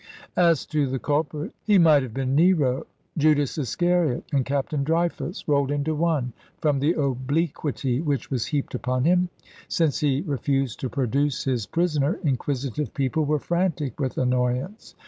As to the culprit, he might have been Nero, Judas Iscariot, and Captain Dreyfus rolled into one, from the obliquity which was heaped upon him. Since he refused to produce his prisoner, inquisitive people were frantic with annoyance.